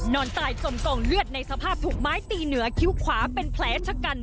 นอนตายจมกองเลือดในสภาพถูกไม้ตีเหนือคิ้วขวาเป็นแผลชะกัน